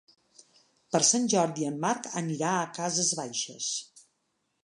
Per Sant Jordi en Marc anirà a Cases Baixes.